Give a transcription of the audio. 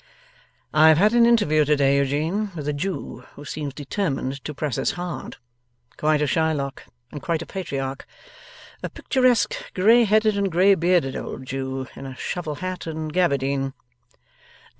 'I have had an interview to day, Eugene, with a Jew, who seems determined to press us hard. Quite a Shylock, and quite a Patriarch. A picturesque grey headed and grey bearded old Jew, in a shovel hat and gaberdine.